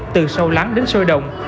từ sâu lắng đến sôi động